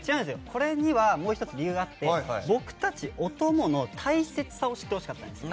これにはもう１つ理由があって僕たち、お供の大切さを知ってほしかったんです。